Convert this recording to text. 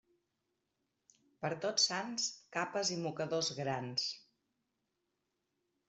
Per Tots Sants, capes i mocadors grans.